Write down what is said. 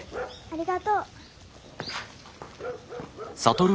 ありがとう。